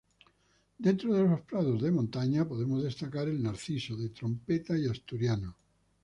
Dentro de los prados de montaña podemos destacar el narciso de trompeta y asturiano.